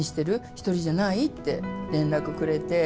一人じゃない？って連絡くれて。